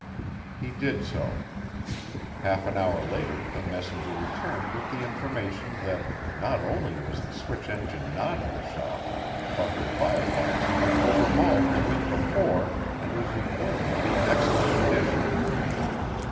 He did so. Half an hour later the messenger returned with the information that not only was the switch engine not in the shop but her fire box had been overhauled the week before and was reported to be in excellent condition.